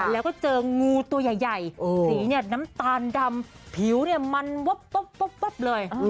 แล้วก็เจองูตัวใหญ่สีน้ำตาลดำผิวมันปุ๊บเลย